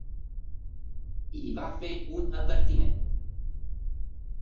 I va fer un advertiment.